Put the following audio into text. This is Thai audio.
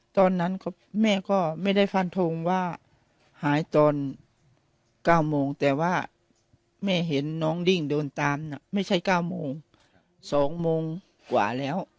ตอนนั้นแม่ก็ไม่ได้ฟันทงว่าหายตอน๙โมงแต่ว่าแม่เห็นน้องดิ้งเดินตามไม่ใช่๙โมง๒โมงกว่าแล้ว